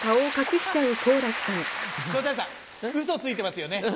嘘ついてますよね？